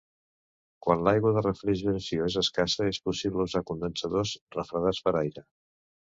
Quan l'aigua de refrigeració és escassa és possible usar condensadors refredats per aire.